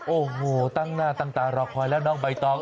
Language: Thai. โอ้โหตั้งหน้าตั้งตารอคอยแล้วน้องใบตอง